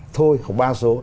thôi không ba số